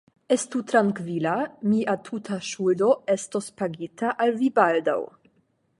Estu trankvila, mia tuta ŝuldo estos pagita al vi baldaŭ.